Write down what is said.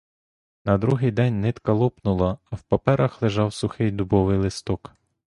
На другий день нитка лопнула, а в паперах лежав сухий дубовий листок.